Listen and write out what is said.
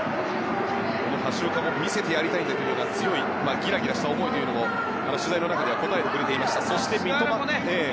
橋岡も、見せてやりたいという強いギラギラした思いを取材の中で答えていました。